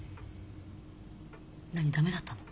何駄目だったの？